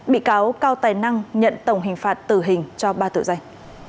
bị cáo cao tài năng nhận tổng hình phạt tử hình cho ba tội danh